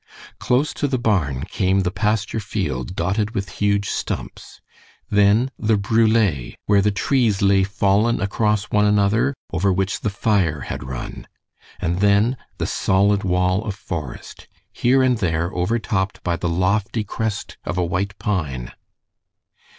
Close to the barn came the pasture field dotted with huge stumps, then the brule where the trees lay fallen across one another, over which the fire had run, and then the solid wall of forest here and there overtopped by the lofty crest of a white pine.